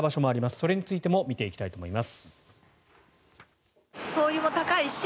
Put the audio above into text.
それについても見ていきたいと思います。